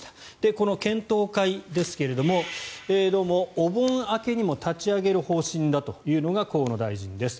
この検討会ですがどうもお盆明けにも立ち上げる方針だというのが河野大臣です。